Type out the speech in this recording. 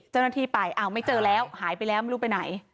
เจ้าหน้าที่ไปอ้าวไม่เจอแล้วหายไปแล้วไม่รู้ไปไหน